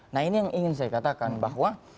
nah ini yang ingin saya katakan bahwa